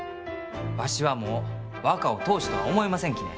わしはもう若を当主とは思いませんきね。